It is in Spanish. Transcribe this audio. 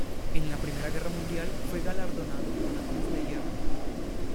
En la Primera Guerra Mundial fue galardonado con la Cruz de Hierro.